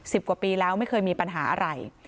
กว่าปีแล้วไม่เคยมีปัญหาอะไร